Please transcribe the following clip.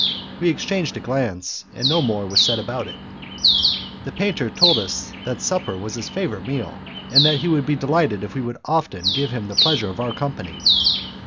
We exchanged a glance, and no more was said about it. The painter told us that supper was his favourite meal, and that he would be delighted if we would often give him the pleasure of our company.